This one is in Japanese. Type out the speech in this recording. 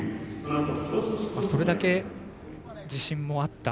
それだけ自信もあった。